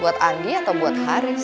buat andi atau buat haris